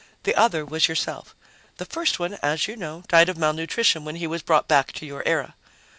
The other was yourself. The first one, as you know, died of malnutrition when he was brought back to your era."